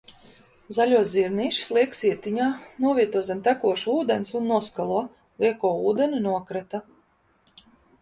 Zaļos zirnīšus liek sietiņā, novieto zem tekoša ūdens un noskalo, lieko ūdeni nokrata.